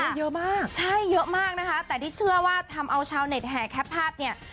เยอะมากใช่เยอะมากนะคะแต่ที่เชื่อว่าทำเอาชาวเน็ตแห่แคปภาพเนี่ย